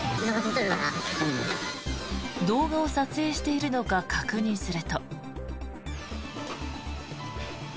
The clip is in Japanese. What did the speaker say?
動画を撮影しているのか確認すると。